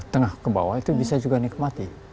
tengah ke bawah itu bisa juga nikmati